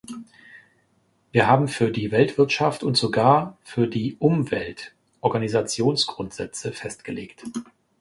Wir haben für die Weltwirtschaft und sogar für die Umwelt Organisationsgrundsätze festgelegt.